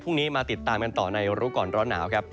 มาติดตามกันต่อในรู้ก่อนร้อนหนาวครับ